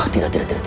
tidak tidak tidak